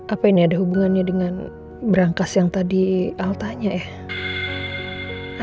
apa ini ada hubungannya dengan berangkas yang tadi al tanya ya